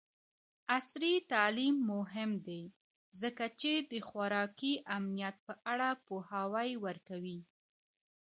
عصري تعلیم مهم دی ځکه چې د خوراکي امنیت په اړه پوهاوی ورکوي.